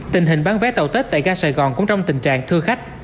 tình hình bán vé tàu tết tại ga sài gòn cũng trong tình trạng thương khách